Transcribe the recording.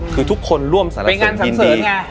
คือทุกคนร่วมสารยินดี